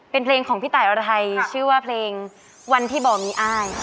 เป็นเพลงของพี่ตายอรไทยชื่อว่าเพลงวันที่บ่อมีอ้าย